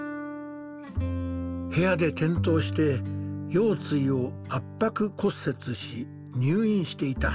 部屋で転倒して腰椎を圧迫骨折し入院していた。